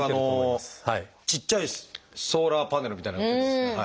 ちっちゃいソーラーパネルみたいなやつです。